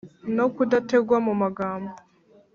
no kudategwa mu magambo.